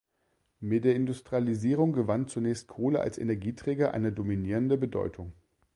Mit der Industrialisierung gewann zunächst Kohle als Energieträger eine dominierende Bedeutung.